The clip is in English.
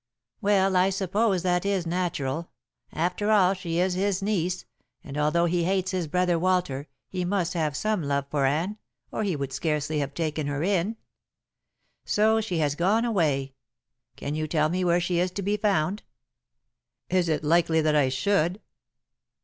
"Well, I suppose that is natural. After all she is his niece, and although he hates his brother Walter, he must have some love for Anne, or he would scarcely have taken her in. So she has gone away. Can you tell me where she is to be found?" "Is it likely that I should?"